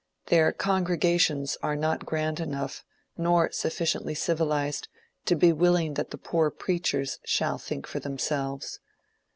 Their congregations are not grand enough, nor sufficiently civilized, to be willing that the poor preachers shall think for themselves.